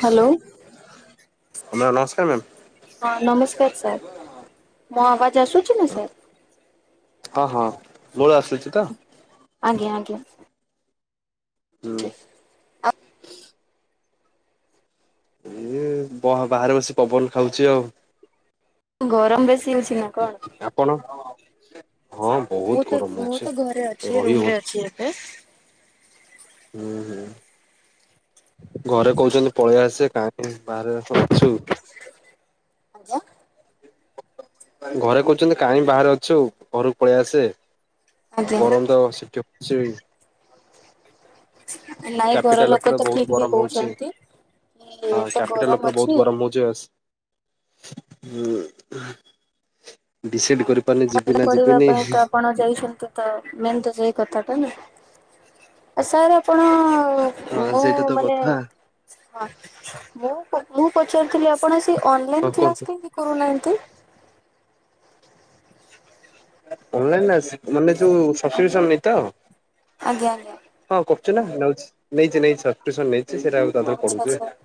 Hello ନମସ୍କାର ma'am. ହଁ ନମସ୍କାର ସାର୍ ମୋ ଆବାଜ ଆସୁଛି ନା ସାର୍? ହଁ ହଁ ମୋର ଆସୁଛି ତ? ଆଜ୍ଞା ଆଜ୍ଞା। ହୁଁ। [inaudible] ବହ ବାହାରେ ବସି ପବନ ଖାଉଚି ଆଉ। ଗରମ ବେଶୀ ହଉଚି ନା କଣ? ଆପଣ। ହଁ ବହୁତ ମୁଁ ତ ଗରମ ମୁଁ ହଉଛି ତ ଘରେ ଅଛି, ରହି ରୁମ ରେ ହଉନି। ଅଛି ଏବେ। ହୁଁ ହୁଁ। ଘରେ କହୁଛନ୍ତି ପଳେଇ ଆସେ କାହିଁ ବାହାରେ ଏ ଅଛୁ। ଆଜ୍ଞା। ଘରେ କହୁଛନ୍ତି କାହିଁ ବାହାରେ ଅଛୁ ଘରକୁ ପଳେଇ ଆସେ ଆଜ୍ଞା ଗରମ ତ ସେଟି ସେଇ। ନାଇଁ ଘର କ୍ୟାପିଟାଲ ଲୋକ ଉପରେ ତ ଠିକ ବହୁତ ବି ଗରମ ହଉଛି କହୁଛନ୍ତି। କି ହଁ ଏତେ କ୍ୟାପିଟାଲ ଗରମ ଉପରେ ଅଛି ବହୁତ ଗରମ ହଉ ଚସ୍ ଉଁ ଡିସାଇଡ୍ କରି ପାଠ ପଢିବା ପାଇଁ ତ ଆପଣ ଯାଇଛନ୍ତି। ତ ମେନ୍ ତ ସେଇ କଥା ଟା ନା, ଆ ସାର୍ ଆପଣ ହଁ ମୁଁ ସେଇଟା ତ ମାନେ କଥା। ହଁ ମୁଁ ମୁଁ ପଚାରୁଥିଲି ଆପଣ ସେ ହଁ ଅନଲାଇନ କୁହନ୍ତୁ କ୍ଲାସ କାହିଁକି କରୁନାହାନ୍ତି? ଅନଲାଇନ ଆସ୍ ମାନେ ଯଉ ଆଜ୍ଞା ସବସ୍କ୍ରିସମି ତ। ଆଜ୍ଞା ଆଜ୍ଞା ହଁ କରୁଛି ନା, ନଉଛି ନେଇଛି ନେଇଛି [unintelligible] ସନ ନେଇଛି ସେଟା ଆଉ [unintelligible] ଆଚ୍ଛା ଆଚ୍ଛା। ପଢ଼ୁଥିବେ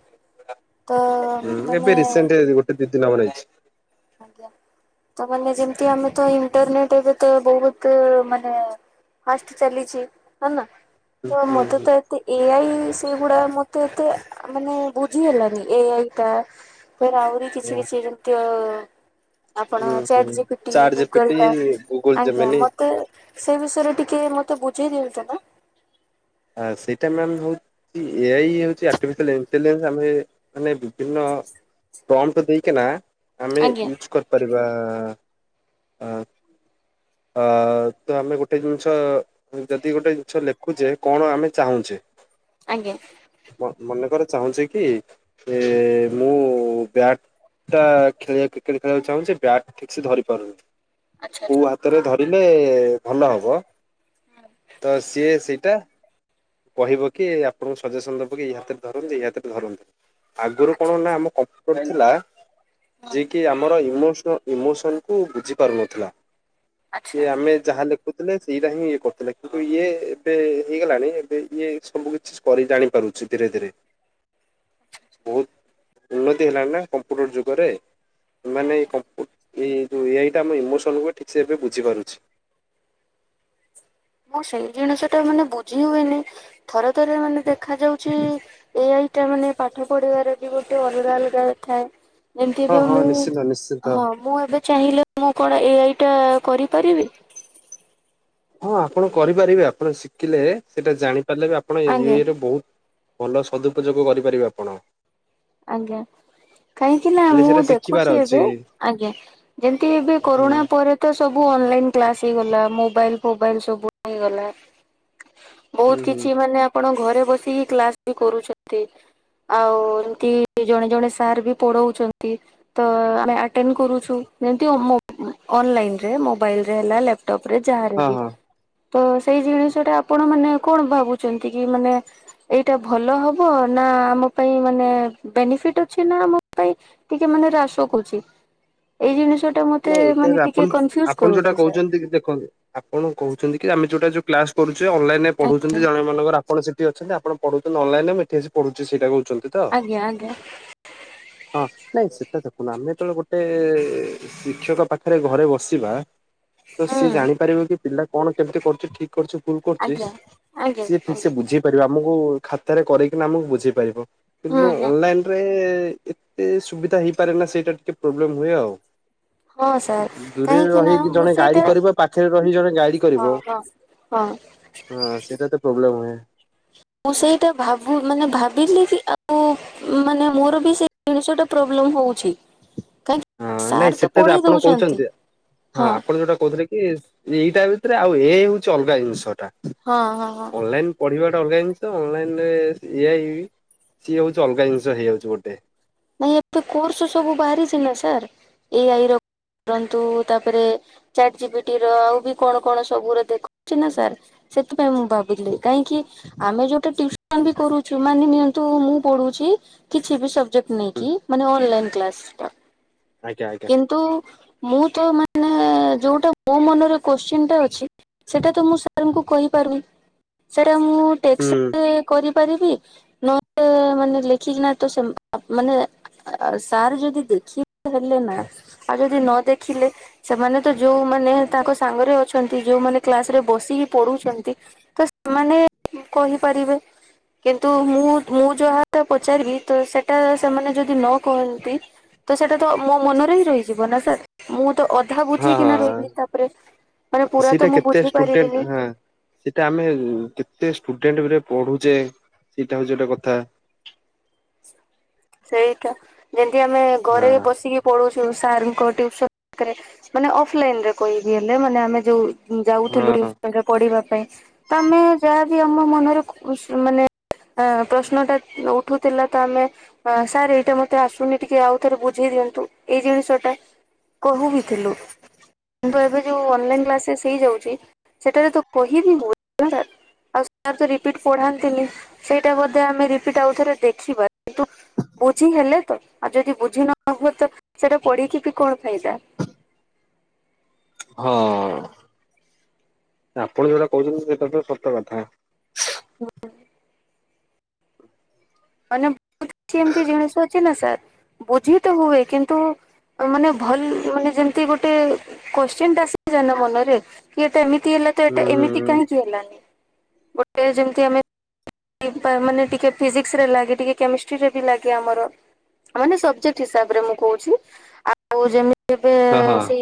ତ ହୁଁ ମାନେ ଏବେ ରିସେଣ୍ଟ ଗୋଟେ ଦି ଦିନ ହବ ନେଇଚି। ଆଜ୍ଞା, ତା ମାନେ ଯେମିତି ଆମେ ତ ଇଣ୍ଟରନେଟ ଏବେ ତ ବହୁତ୍ ମାନେ ଫାଷ୍ଟ ଚାଲିଛି ହଁ ନା ତ ମତେ ହୁଁ ତ ଏ ଆଇ ସେଗୁଡା ମତେ ଏତେ ମାନେ ବୁଝି ହେଲାନି ଏ ଆଇ ଟା ସାର୍ ଆହୁରି କିଛି କିଛି ଯେମତି ଅ ଅ ଆପଣ ହୁଁ ଚାଟ୍ ଯି ପିଟି ଚାଟ୍ ଗୁଗଲ ଜିପିଟି ଟା ଗୁଗୁଲ ଆଜ୍ଞା ଜେମିନି ମତେ ସେଇ ବିଷୟରେ ଟିକେ ମତେ ବୁଝେଇ ଦିଅନ୍ତୁ ନା। ଆ ସେଇଟା ମ୍ୟାମ୍ ହଉ ଚି ଏ ଆଇ ହଉଛି [unintelligible] ଆମେ ମାନେ ବିଭିନ୍ନ ପ୍ରମ୍ପ୍ଟ ଦେଇକିନା ଆମେ ଆଜ୍ଞା ୟୁଜ କରିପାରିବା ଆ। ଆ ତ ଆମେ ଗୋଟେ ଜିନିଷ ଯଦି ଗୋଟେ ଜିନିଷ ଲେଖୁଛେ କଣ ଆମେ ଚାହୁଁଚେ। ଆଜ୍ଞା। ମ ମନେ କର ଚାହୁଁଚେ କି ଇ ମୁଁ ବ୍ୟାଟ ଟା ଖେଳିବା କ୍ରିକେଟ ଖେଳିବାକୁ ଚାହୁଁଚି ବ୍ୟାଟ୍ ଠିକ ସେ ଧରି ପାରୁନି। ଆଚ୍ଛା ଆଛା। କୋଉ ହାତରେ ଧରିଲେ ଭଲ ହବ, ତ ସିଏ ସେଇଟା କହିବ କି ଆପଣଙ୍କୁ ସଜେସନ ଦବ କି, ଏଇ ହାତରେ ଧରନ୍ତି ଏଇ ହାତରେ ଧରନ୍ତୁ। ଆଚ୍ଛା ଆଗୁରୁ ଆଚ୍ଛା କଣ ନା ଆଚ୍ଛା। ଆମ କମ୍ପୁଟର ଥିଲା ହୁଁ ଯିଏ କି ଆମର ଇମୋସନ୍ ଇମୋସନ୍ କୁ ବୁଝିପାରୁ ନଥିଲା, ଆଚ୍ଛା ଇଏ ଆମେ ଯାହା ଲେଖ ଖୁଥିଲେ ସେଇଟା ହିଁ ଇଏ କରୁଥିଲେ, କିନ୍ତୁ ଇଏ ଏବେ ହେଇଗଲାଣି ଏବେ ଇଏ ସବୁ କିଛି କରି ଜାଣି ପାରୁଛି ଧୀରେ ଧୀରେ। ବହୁତ ଉନ୍ନତି ହେଲାଣି ନା କମ୍ପ୍ୟୁଟର ଯୁଗରେ। ମାନେ ଏଇ ଆଜ୍ଞା। କପ୍ ଏଇ ଯୋଉ ଏ ଆଇ ଟା ଆମ ଇମୋସନକୁ ଠିକ ସେ ଏବେ ବୁଝି ପାରୁଛି। ମୁଁ ସେଇ ଜିନିଷ ଟା ମାନେ ବୁଝି ହୁଏନି, ଥରେ ଥରେ ମାନେ ଦେଖା ଯାଉଛି ଏ ଆଇ ଟା ମାନେ ପାଠ ପଢିବାରେ ଯେ ଗୋଟେ ଅଲଗା ଅଲଗା ଥାଏ ଯେମତି ହଁ ଏବେ ହଁ ମୁଁ ନିଶ୍ଚିନ୍ତ ନିଶ୍ଚିନ୍ତ। ହଁ। ମୁଁ ଏବେ ଚାହିଁଲେ ମୁଁ କଣ ଏ ଆଇ ଟା କରିପାରିବି? ହଁ ଆପଣ କରିପାରିବେ ଆପଣ ଶିଖିଲେ ସେଇଟା ଜାଣିପାରିଲେ ବି ଆପଣ ଏ ଏ ଆଜ୍ଞା। ଆଇ ରେ ବହୁତ ଭଲ ସଦୁପଯୋଗ କରିପାରିବେ ଆପଣ। ଆଜ୍ଞା। କାହିଁକି ନା ହେଲେ ମୁଁ ସେଇଟା ଶିଖିବାର ଦେଖୁଛି ଅଛି ଏବେ ଆଜ୍ଞା ଯେମତି ଏବେ ହଁ କରୋନା ପରେ ତ ସବୁ ଅନଲାଇନ କ୍ଲାସ ହେଇଗଲା ମୋବାଇଲ ଫୋବାଇଲ ସବୁ ହେଇଗଲା। ବହୁତ ହୁଁ ହୁଁ। କିଛି ମାନେ ଆପଣ ଘରେ ବସିକି କ୍ଲାସ ବି କରୁଛନ୍ତି। ଆଉ ତି ଜଣେ ଜଣେ ସାର୍ ବି ପଡଉଛନ୍ତି। ତ ଆମେ ଆଟେନ୍ କରୁଛୁ। ଯେମତି ଅ ମୋ ଉ ଅନଲାଇନରେ ମୋବାଇଲରେ ହେଲା ଲା ଟପ ରେ ଯାହାରେ ହଁ ବି ହଁ ତ ସେଇ ଜିନିଷ ଟା ଆପଣ ମାନେ କଣ ଭାବୁଛନ୍ତି କି ମାନେ ଏଇଟା ଭଲ ହବ ନା ଆମ ପାଇଁ ମାନେ ବେନିଫିଟ ଅଛି ନା ଆମ ପାଇଁ ଟିକେ ମାନେ ହ୍ରାସ କରୁଛି? ଏଇ ଜିନିଷ ଟା ମତେ ନାଇଁ ଏଇଟା ମାନେ ଆପଣ ଟିକେ କନଫ୍ୟୁଜ ଆପଣ ଯୋଉଟା କରୁଛି ସାର୍। କହୁଛନ୍ତି କି ଦେଖନ୍ତୁ ଆପଣ କହୁଚନ୍ତି କି ଆମେ ଯୋଉଟା ଯୋଉ କ୍ଲାସ କରୁଚେ ଅନଲାଇନ ରେ ପଢୁଚନ୍ତି ଜଣେ ମନେକର ଆପଣ ସେ ଠି ଅଛନ୍ତି ଆପଣ ପଢଉଚନ୍ତି ଅନଲାଇନ୍ ରେ ମୁଁ ଏଠି ଆସି ପଢୁଚି ସେଇଟା କହୁଚନ୍ତି। ଆଜ୍ଞା ଆଜ୍ଞା। ହଁ ନାଇଁ ସେଟା ଦେଖନ୍ତୁ ଆମେ ଯେତବେଳେ ଗୋଟେ ଶିକ୍ଷକ ପାଖରେ ଘରେ ବସିବା ତ ସିଏ ହୁଁ। ଜାଣିପାରିବ କି ପିଲା କଣ କେମିତି କରୁଚି ଠିକ୍ କରୁଚି ଭୁଲ କରୁଚି ଆଜ୍ଞା ଆଜ୍ଞା ସିଏ ଠିକସେ ଆଜ୍ଞା ବୁଝେଇ ପାରିବେ ଆମୁକୁ ଖାତାରେ କରେଇକିନା ଆମୁକୁ ବୁଝେଇ ପାରିବ ହୁଁ କିନ୍ତୁ ହୁଁ ଅନଲାଇନ ରେ ଏତେ ସୁବିଧା ହେଇପାରେ ନା ସେଇଟା ଟିକେ ପ୍ରୋବ୍ଲେମ ହୁଏ ଆଉ। ହଁ ସାର୍ ଦୂରରେ କାହିଁକିନା ରହିକି ମୁଁ ଜଣେ ଗାଇଡ ସେଇଟା କରିବ ପାଖରେ ରହି ଜଣେ ଗାଇଡ କରିବ ହଁ ହଁ। ହଁ। ହଁ ସେଇଟା ତ ପ୍ରୋବ୍ଲେମ ହୁଏ। ମୁଁ ସେଇଟା ଭାବୁ ମାନେ ଭାବିଲି କି ଆଉ ମାନେ ମୋର ବି ସେ ଜିନିଷଟା ପ୍ରୋବ୍ଲେମ ହଉଛି କାଇଁ ହଁ ନାଇଁ ସେଟା ଯେ ଆପଣ କହୁଚନ୍ତି ହଁ ଆପଣ ଯୋଉଟା କହୁଥିଲେ ଏ ଏଇଟା ଭିତରେ ଆଉ ଏ ହେଉଛି ଅଲଗା ଜିନିଷଟା ହଁ ହଁ ହଁ ଅନଲାଇନ ପଢିବାଟା ଅଲଗା ଜିନିଷ ଅନଲାଇନ ରେ ଏ ଆଇ ସିଏ ହଉଚି ଅଲଗା ଜିନିଷ ହେଇଯାଉଛି ଗୋଟେ। ନାଇଁ ଏତେ କୋର୍ସ ସବୁ ବାହାରିଛି ନା ସାର୍ ଏ ଆଇ ର ରନ୍ତୁ ତାପରେ ଚାଟ ଜି ପି ଟି ର ଆଉ ବି କଣ କଣ ସବୁ ର ଦେଖଉଛି ନା ସାର୍। ସେଥିପାଇଁ ମୁଁ ଭାବୁଥିଲି କାହିଁକି ଆମେ ଯୋଉଟା ଟିଉସନ ବି କରୁଛୁ ମାନେ ନିଅନ୍ତୁ ମୁଁ ପଢୁଛି କିଛି ବି ସବଜେକ୍ଟ ହୁଁ ନେଇକି ମାନେ ଅନଲାଇନ କ୍ଲାସ ଟା ଆଜ୍ଞା ଆଜ୍ଞା କିନ୍ତୁ ମୁଁ ତ ମାନେ ଯୋଉଟା ମୋ ମନରେ କୋଶ୍ଚିନ୍ ଟା ଅଛି ସେଇଟା ତ ମୁଁ ସାରଙ୍କୁ କହିପାରୁନି ସେଟା ମୁଁ ଟେଷ୍ଟ ହୁଁ। ରେ କରିପାରିବି ନହେଲେ ମାନେ ଲେଖିକିନା ତ ସେ ଆ ମାନେ ଅ ସାର୍ ଯଦି ଦେଖି ପାରିଲେ ନା ଆଉ ଯଦି ନ ଦେଖିଲେ ସେମାନେ ତ ଯୋଉମାନେ ତାଙ୍କ ସାଙ୍ଗରେ ଅଛନ୍ତି ଯୋଉମାନେ କ୍ଲାସ ରେ ବସିକି ପଡୁଛନ୍ତି ତ ସେମାନେ ଉ କହିପାରିବେ କିନ୍ତୁ ମୁଁ ମୁଁ ଯାହା ଟା ପଚାରିଲି ତ ସେ ଟା ସେମାନେ ଯଦି ନ କହନ୍ତି ତ ସେଇଟା ତ ମୋ ମନରେ ହିଁ ରହିଯିବ ନା ସାର୍ ମୁଁ ତ ଅ ଅଧା ହଁ ବୁଝିକିନା ହଁ ରହିଗଲି ତାପରେ ମାନେ ପୁରା ସେଇଟା ତ ମୁଁ କେତେ ବୁଝି ଷ୍ଟୁଡେଣ୍ଟ ପାରିବିନି। ହଁ ସେଇଟା ଆମେ କେତେ ଷ୍ଟୁଡେଣ୍ଟରେ ପଢୁଛେ ସେଇଟା ହଉଛି ଗୋଟେ କଥା। ସେଇଟା ଯେମତି ଆମେ ଘରେ ହଁ ବସିକି ପଢୁଛୁ ସାରଙ୍କୁ କହ ଟୁୟୁସନ କରେ ମାନେ ଅଫଲାଇନରେ କହିବି ହେଲେ ମାନେ ଆମେ ଯୋଉ ଯାଉଥିଲୁ ହଁ ଟିୟୁସନରେ ପଢିବା ପାଇଁ ତମେ ଯାହା କି ଆମ ମନରେ ପ ମାନେ ପ୍ରଶ୍ନଟା ଉଠୁଥିଲା ତ ଆମେ ହ ସାର୍ ଏଇଟା ମତେ ଆସୁନି ଟିକେ ଆଉ ଥରେ ବୁଝେଇ ଦିଅନ୍ତୁ ଏଇ ଜିନିଷ ଟା। କହୁ ବିଥିଲୁ। କିନ୍ତୁ ଏବେ ଯୋଉ ଅନଲାଇନ୍ କ୍ଲାସେସ୍ ହେଇଯାଉଛି ସେଥିରେ ତ କହିବି ହଉନି। ଆଉ ସାର୍ ତ ରିପିଟ ପଢାନ୍ତିନି ସେଇଟା ବୋଧେ ଆମେ ରିପିଟ ଆଉଥରେ ଦେଖିବା କିନ୍ତୁ ବୁଝି ହେଲେ ତ ଆଉ ଯଦି ବୁଝି ନ ହୁଏ ତ ସେଇଟା ପଢିକି ବି କଣ ଫାଇଦା। ହଁ ଆପଣ ଯଉଟା କହୁଛନ୍ତି ସେଇଟା ତ ସତ କଥା। ମାନେ ବହୁତ କିଛି ଏମିତି ଜିନିଷ ଅଛି ନା ସାର୍ ବୁଝି ତ ହୁଏ କିନ୍ତୁ ମାନେ ଭଲ ମାନେ ଯେମତି ଗୋଟେ କୋଶ୍ଚିନ୍ ଟା ଆସି ଯାଏ ନା ମନରେ କି ଏଇଟା ଏମିତି ତି ହେଲା ତ ହୁଁ ଏଟା ହୁଁ ଏମିତି ହୁଁ। କାହିଁ କି ହେଲାନି ଗୋଟେ ଯେମିତି ଆମେ ମାନେ ଟିକେ ଫିଜିକି ସି ଲାଗେ ଟିକେ କେମେଷ୍ଟ୍ରିରେ ବି ଲାଗେ ଆମର। ମାନେ ସବଜେକ୍ଟ ହିସାବରେ ମୁଁ କହୁଛି ଆଉ ଯେମି ଏବେ ହଁ ହଁ ସେଇ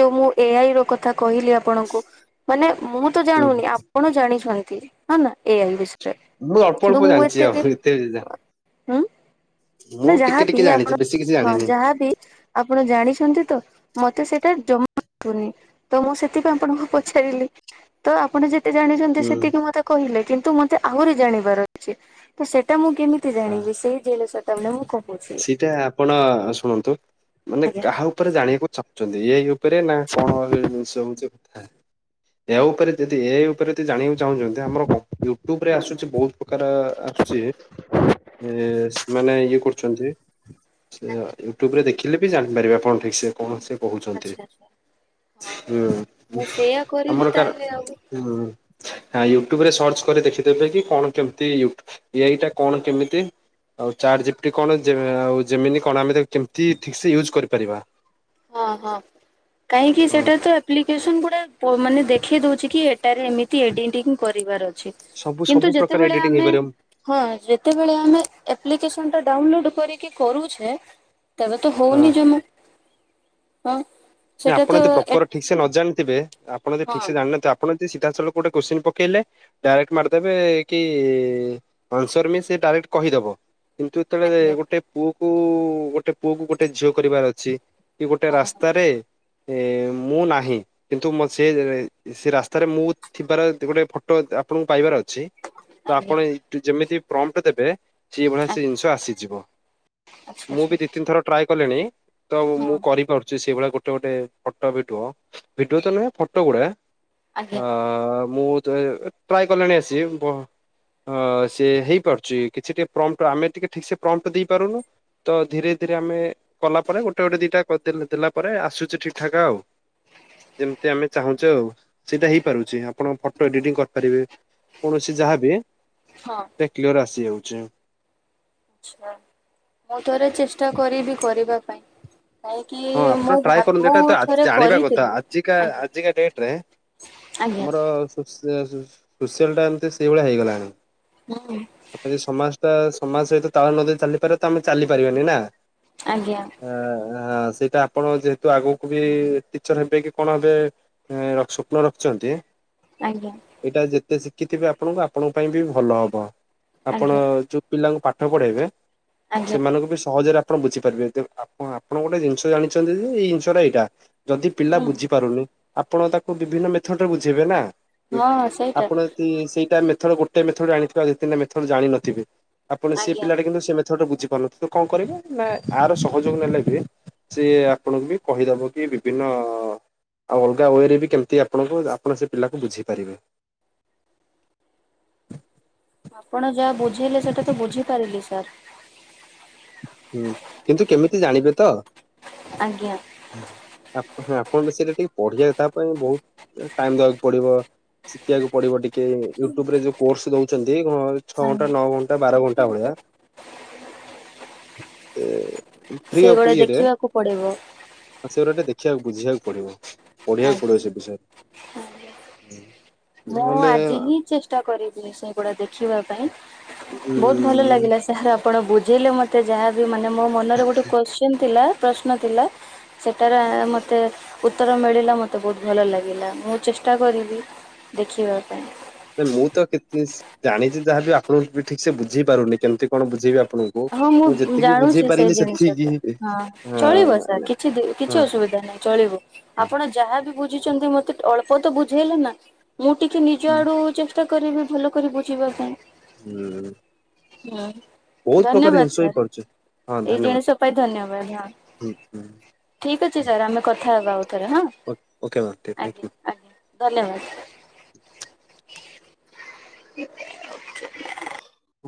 ଯୋଉ ମୁଁ ଏଆଇ ର କଥା କହିଲି ଆପଣଙ୍କୁ ମାନେ ମୁଁ ତ ହୁଁ ଜାଣୁନି ଆପଣ ଜାଣିଛନ୍ତି ହ ନା ଏଆଇ ବିଷୟରେ ମୁଁ ଅଳ୍ପ କିନ୍ତୁ ଅଳ୍ପ ମୁଁ ଜାଣିଛି ଆଉ ଏତିକି ଏତେ ଜା- ହୁଁ ମୁଁ ନା ଟିକେ ଯାହାବି ଟିକେ ଆପଣ ଜାଣିଛି ବେଶୀ କିଛି ହଁ ଜାଣିନି ଯାହାବି ଆପଣ ଜାଣିଛନ୍ତି ତ ମତେ ସେଇଟା ଜମା [unintelligible] ତ ମୁଁ ସେଥିପାଇଁ ଆପଣଙ୍କୁ ପଚାରିଲି ତ ଆପଣ ଯେ ତେ ଜାଣିଛନ୍ତି ହୁଁ ସେତିକି ମତେ କହିଲେ କିନ୍ତୁ ମତେ ଆହୁରି ଜାଣିବାର ଅଛି ତ ସେଇଟା ମୁଁ କେମି ତି ହଁ ଜାଣିବି ସେଇ ଜିନିଷ ଟା ମୁଁ କହୁଛି। ସେଇଟା ଆପଣ ଶୁଣନ୍ତୁ ମାନେ କାହାଉ ଉପରେ ଜାଣିବାକୁ ଚାହୁଁଛନ୍ତି ଏଆଇ ଉପରେ ନା କଣ ଜିନିଷ ହଉଛି କଥା? ଏହା ଉପରେ ଯଦି ଏଆଇ ଉପରେ ଯଦି ଜାଣିବାକୁ ଚାହୁଁଛନ୍ତି ଆମର କମ୍ ୟୁଟ୍ୟୁବ ରେ ଆସୁଛି ବହୁତ ପ୍ରକାର ଆସୁଛି ଏ ସେମାନେ ଇଏ କରୁଛନ୍ତି। ସେ ୟୁଟ୍ୟୁବ ରେ ଦେଖିଲେ ବି ଜାଣିପାରିବେ ଆପଣ ଠିକ ସେ। କଣ ସେ କହୁଛନ୍ତି ଆଚ୍ଛା ଆଚ୍ଛା ହଁ ହୁଁ ମୁଁ ସେଇୟା କରିବି ଆମର କାର୍ ତାହେଲେ ଆଉ ହୁଁ। ହଁ ୟୁଟ୍ୟୁବ ରେ ସର୍ଚ୍ଚ କରି ଦେଖିଦେବେ କି କଣ କେମତି ଉଟ ଏ ଆଇ ଟା କଣ କେମିତି? ଆଉ ଚାଟ ଜି ପି ଟି କଣ ଆଉ ଜେମିନି କଣ ଆମେ କେମିତି ଠିକ ସେ ୟୁଜ୍ କରିପାରିବା? ହଁ ହଁ କାହିଁକି ହଁ ସେଟା ତ ଆପ୍ଲିକେସନ ଗୁଡା ମାନେ ଦେଖେଇ ଦଉଛି କି ଏଟାରେ ଏମିତି ଏଡିଟିଂ କରିବାର ଅଛି। ସବୁ କିନ୍ତୁ ସବୁ ପ୍ରକାର ଯେତେବେଳେ ଏଡିଟିଂ ଆମେ ହେଇପାରିବ ହଁ ଯେତେବେଳେ ଆମେ ଆପ୍ଲିକସନ ଟା ଡାଉନଲୋଡ କରିକି କରୁଛେ ତେବେ ତ ହଁ ହଉନି ଜମା। ହଁ। ନା ସେଟା ତ ଆପଣ ଯଦି ଏ ପ୍ରପର ଠିକ୍ ସେ ନ ଜାଣିଥିବେ ଆପଣ ଯଦି ଠିକ ହଁ ସେ ଜାଣିନଥିବେ ଆ ଆପଣ ଜେ ସିଧାସଳଖ ଗୋଟେ କୋଶ୍ଚିନ ପକେଇଲେ ଡାଇରେକ୍ଟ ମାରିଦେବେ କି ଆନ୍ସର ବି ସେ ଡାଇରେକ୍ଟ କହିଦବ। କିନ୍ତୁ ଯେତେବେଳେ ଆଜ୍ଞା ଗୋଟେ ପୁଅକୁ ଗୋଟେ ପୁଅ କୁ ଗୋଟେ ଝିଅ କରିବାର ଅଛି କି ଗୋଟେ ହଁ ହଁ ରାସ୍ତାରେ ମୁଁ ନାହିଁ କିନ୍ତୁ ମ ସେ ସେ ରାସ୍ତାରେ ମୁଁ ଥିବାର ଗୋଟେ ଫଟୋ ଆପଣଙ୍କୁ ପାଇବାର ଅଛି। ତ ଆଜ୍ଞା ଆପଣ ଯେମିତି ପ୍ରମ୍ପଟ ଦେବେ ସେଇ ଭଳିଆ ଆଜ୍ଞା ସେ ଜିନିଷ ଆସିଯିବ। ଆଚ୍ଛା ମୁଁ ବି ଆଚ୍ଛା ଦି ତିନି ଥର ଟ୍ରାଏ କଲିଣି ତ ମୁଁ ହଁ କରିପାରୁଛି ସେଇଭଳିଆ ଗୋଟେ ଗୋଟେ ଫଟୋ ଭିଡିଓ ଭିଡିଓ ତ ନୁହେଁ ଫଟୋ ଗୁଡା ଆଜ୍ଞା ମୁଁ ଟ୍ରାଏ କଲେଣି ଆସିି ବ ଅଁ ସେ ହେଇପାରୁଛି କିଛି ଟିକେ ପ୍ରମଟ ଆମେ ଟିକେ ଠିକ୍ ସେ ପ୍ରମଟ ଦେଇପାରୁନୁ ତ ଧୀରେ ଧୀରେ ଆମେ କଲା ପରେ ଗୋଟେ ଗୋଟେ ଦିଟା ଦେଲ ଦେଲା ପରେ ଆସୁଛି ଠିକ୍ ଠାକ୍ ଆଉ। ଯେମତି ଆମେ ଚାହୁଁଛେ ଆଉ ସେଇଟା ହେଇପାରୁଛି ଆପଣ ଫଟୋ ଏଡିଟିଂ କରିପାରିବେ। କୌଣସି ଯାହା ବି। ହଁ ସେ କ୍ଲିୟର ଆସିଯାଉଚେ। ଆଛା ମୁଁ ଥରେ ଚେଷ୍ଟା କରିବି କରିବା ପାଇଁ। କାହିଁକି ହଁ ଆପଣ ମୁଁ ଟ୍ରାଏ ଭାବ କରନ୍ତୁ ଏଇଟା ମୁଁ ତ ଥରେ ଜାଣିବା କଥା କରିଥିଲି ଆଜିକା ଆଜ୍ଞା ଆଜିକା ଡେଟ ରେ ଆଜ୍ଞା। ଆମର ସୋସ-ସୋସିଆଲ ଟା ଏମିତି ସେଇଭଳିଆ ହେଇଗଲାଣି। ହଁ ହଁ। ଆମେ ଯଦି ସମାଜ ଟା ସମାଜ ସହିତ ତାଳ ନ ଦେଇ ଚାଲିପାରିବା ତ ଆମେ ଚାଲିପାରିବାନି ନା। ଆଜ୍ଞା। ଆ ହ ସେଇଟା ଆପଣ ଯେହେତୁ ଆଗକୁ ବି ଟିଚର ହେବେ କି କଣ ହେବେ ଏଁ ସ୍ୱପ୍ନ ରଖୁଛନ୍ତି ଆଜ୍ଞା। ଏଇଟା ଯେତେ ଶିଖିଥିବେ ଆପଣଙ୍କୁ ଆପଣଙ୍କ ପାଇଁ ବି ଭଲ ହବ ଆପଣ ଆଜ୍ଞା ଯୋଉ ପିଲାଙ୍କୁ ପାଠ ପଢ଼ାଇବେ ଆଜ୍ଞା ସେମାନଙ୍କୁ ବି ସହଜରେ ଆପଣ ବୁଝିପାରିବେ ଆପଣ ଆପଣ ଗୋଟେ ଜିନିଷ ଜାଣିଛନ୍ତି ଯେ ଏଇ ଜିନିଷଟା ଏଇଟା ଯଦି ପିଲା ହୁଁ ବୁଝି ପାରୁନି? ଆପଣ ତାକୁ ବିଭିନ୍ନ ମେଥଡ ରେ ବୁଝେଇବେ ନା ହଁ ସେଇଟା ଆପଣ ଯି ସେଇଟା ମେଥଡ ଗୋଟେ ସେ ମେଥଡ ଆଣିଥିବତିନିା ମେଥଡ ଜାିନଥିବ ଆପଣ ସେ ଆଜ୍ଞା। ପିଲା କିନ୍ତ ସେ ପିଲାଟା ମେଥଡରେ ବୁଝିପାରୁନଥିବ। ତ କଣ କରିବୁ ନା ଆହାର ସହଯୋଗ ନେଲା କି ସିଏ ଆପଣଙ୍କୁ ବି କହିଦବ କି ବିଭିନ୍ନ ଆଉ ଅଲଗା ୱେରେ ବି କେମିତି ଆପଣଙ୍କୁ ଆପଣ ସେ ପିଲାକୁ ବୁଝିପାରିବେ ଆପଣ ଯାହା ବୁଝେଇଲେ ସେଟା ତ ବୁଝିପାରିଲି ସାର୍। ହୁଁ କିନ୍ତୁ କେମିତି ଜାଣିବେ ତ? ଆଜ୍ଞା। ଆପଣ ସେଇଟା ଟିକେ ପଢିଆ ତା ପାଇଁ ବହୁତ ଟାଇମ ଦବାକୁ ପଡିବ। ଶିଖିବାକୁ ପଡିବ ଟିକ ୟୁଟ୍ୟୁବ ରେ ଯୋଉ କୋର୍ସ ଦଉଛନ୍ତି ଛଅ ଘଣ୍ଟା ଆଜ୍ଞା ନଅ ଘଣ୍ଟା ବାର ଘଣ୍ଟା ଭଳିଆ ଫ୍ରି ଅଫ ସେଇଗୁଡା ୟରେ ଦେଖିବାକୁ ପଡିବ ହ ସେଗୁଡ଼ା ଟିକେ ଦେଖିବାକୁ ବୁଝିବାକୁ ପଡିବ ପଢିବାକୁ ଆଜ୍ଞା ପଡିବ ସେ ବିଷୟରେ। ହୁଁ। ମୁଁ ଆଜି ହିଁ ଚେଷ୍ଟା କରିବି ସେଗୁଡା ଦେଖିବା ପାଇଁ ବହୁତ ଭଲ ଲାଗିଲା ଉଁ ସା ଯହାର ଆପଣ ବୁଝେଇଲେ ମତେ ଯାହାବି ମାନେ ମୋ ମନରେ ଗୋଟେ କୋଶ୍ଚିିନ ଥିଲା ପ୍ରଶ୍ନ ଥିଲା ସେଟାରେ ମୋତେ ଉତ୍ତର ମିଳିଲା ମୋତେ ବହୁତ ଭଲ ଲାଗିଲା ମୁଁ ଚେଷ୍ଟା କରିବି। ଦେଖିବା ପାଇଁ। ନା ମୁଁ ତ କି ଜାଣିଛି ଯାହାବି ଆପଣଙ୍କୁ ବି ଠିକ୍ ସେ ବୁଝେଇ ପାରୁନି କେମିତି କଣ ବୁଝେଇି ବି ଆପଣଙ୍କୁ? ହଁ ମୁଁ ଯେତିକି ବୁଝେଇ ଜାଣୁଛି ସେଇ ପାରିଲି ଜିନିଷ ସେତିକି ଟା ହଁ ଚଳିବ ସାର୍ ହଁ କିଛି ଦିନି। କିଛି ହଁ। ଅସୁବିଧା ନାହିଁ ଚଳିବୁ। ଆପଣ ଯାହାବି ବୁଝିଚନ୍ତି ମତେ ଅଳ୍ପ ତ ବୁଝେଇଲେ ନା ମୁଁ ଟିକେ ନିଜ ଆଡୁ ଚେ ଚେଷ୍ଟା କରିବି ଭଲ କରି ବୁଝିବା ପାଇଁ। ହୁଁ। ହଁ। ବହୁତ ପ୍ରକାର ଧନ୍ୟବାଦ ଜିନିଷ ବି ସାର୍ ପଡୁଛି ହଁ ଏଇ ଧନ୍ୟବାଦ। ଜିଣିଷ ପାଇଁ ଧନ୍ୟବାଦ ହଁ। ଠିକ ଅଛି ସାର୍ ଆମେ କଥା ହେବା ଆଉ ଥରେ ହଁ ଆଜ୍ଞା ଆଜ୍ଞା। ଧନ୍ୟବାଦ। ହଁ।